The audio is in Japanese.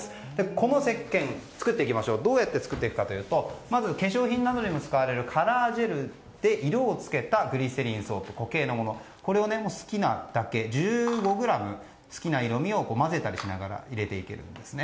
このせっけんをどうやって作っていくかというとまず化粧品などにも使われるカラージェルで色を付けたグリセリンソープ固形のものを好きなだけ１５ｇ好きな色味を混ぜたりしながら入れていけるんですね。